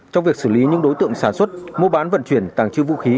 trong việc xử lý những đối tượng sản xuất mua bán vận chuyển tàng trữ vũ khí